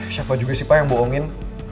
siapa juga sih pak yang bohongin